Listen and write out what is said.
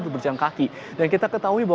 untuk berjalan kaki dan kita ketahui bahwa